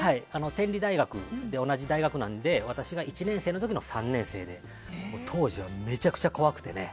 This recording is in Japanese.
天理大学で同じ大学なので私が１年生の時の３年生で当時はめちゃくちゃ怖くてね。